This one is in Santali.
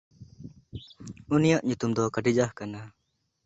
ᱩᱱᱤᱭᱟᱜ ᱧᱩᱛᱩᱢ ᱫᱚ ᱠᱷᱟᱴᱤᱡᱟᱦ ᱠᱟᱱᱟ᱾